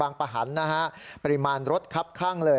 บางปะฮันนะฮะปริมาณรถครับคั่งเลย